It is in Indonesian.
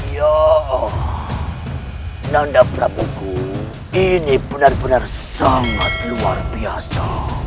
ya nanda prabuku ini benar benar sangat luar biasa